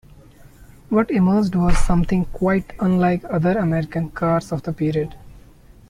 What emerged was something quite unlike other American cars of the period.